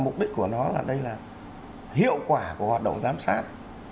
mục đích của nó là đây là hiệu quả của hoạt động giám sát